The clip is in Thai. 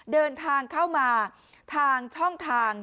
เดินทางเข้ามาทางช่องทาง